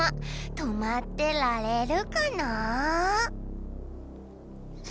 「止まってられるかな？」